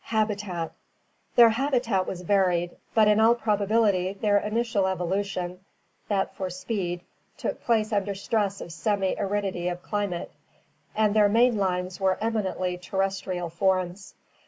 Habitat. — Their habitat was varied, but in all probability their initial evolution, that for speed, took place under stress of semi aridity of climate, and their main lines were eminently terrestrial forms.